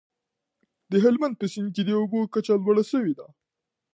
د هلمند په سیند کي د اوبو کچه لوړه سوې ده.